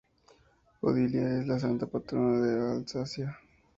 Odilia es la santa patrona de Alsacia.